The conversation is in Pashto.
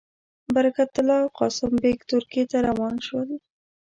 برکت الله او قاسم بېګ ترکیې ته روان شول.